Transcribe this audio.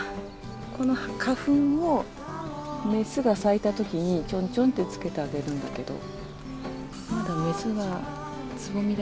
この花粉をメスが咲いたときにちょんちょんって付けてあげるんだけど。